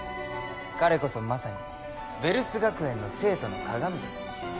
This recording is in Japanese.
彼こそまさにヴェルス学園の生徒のかがみです